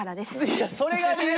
いやそれが理由？